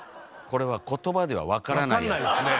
これは言葉では分からないです。